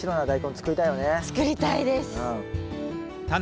作りたいです！